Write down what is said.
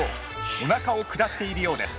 おなかを下しているようです。